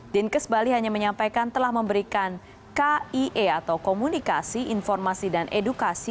dinkes bali hanya menyampaikan telah memberikan kie atau komunikasi informasi dan edukasi